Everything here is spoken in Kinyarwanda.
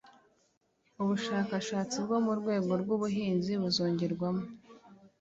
Ubushakashatsi bwo mu rwego rw ubuhinzi buzongerwamo